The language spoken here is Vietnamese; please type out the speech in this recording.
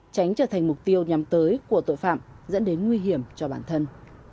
tránh trở thành mục tiêu nhằm tới của tội phạm dẫn đến nguy hiểm cho bản thân